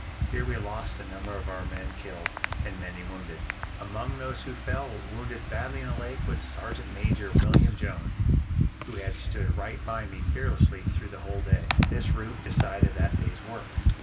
Here we lost a number of our men killed, and many wounded. "Among those who fell, wounded badly in the leg, was Sergeant Major William Jones, who had stood right by me fearlessly through the whole day. This rout decided that day's work.